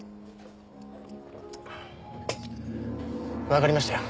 わかりましたよ。